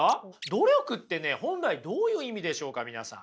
努力ってね本来どういう意味でしょうか皆さん。